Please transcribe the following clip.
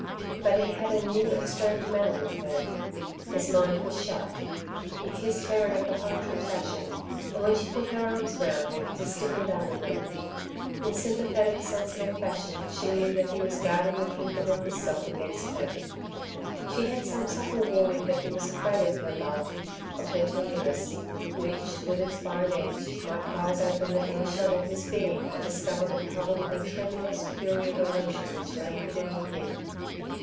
But he had a new and strange manner with her. His mind was shut. He kissed her in a perfunctory fashion, and when she put her arms round him, he stiffened under them. In sympathetic sensitive fashion she knew that he was guarding the kingdom of himself against her. She had some subtle warning that he was afraid of her love, of her tenderness, which, with its fine edge, might prize open the inner shell of his being and discover the trouble and tremulous fury of emotion which lay hidden within.